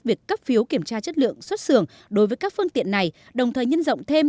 việc cấp phiếu kiểm tra chất lượng xuất xưởng đối với các phương tiện này đồng thời nhân rộng thêm